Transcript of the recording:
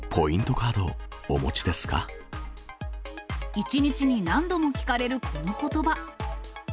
カード、１日に何度も聞かれるこのことば。